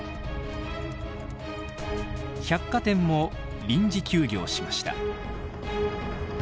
百貨店も臨時休業しました。